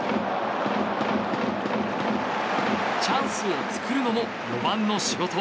チャンスを作るのも４番の仕事。